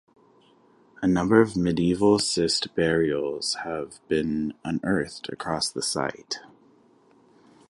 A number of medieval cist burials have been unearthed across the site.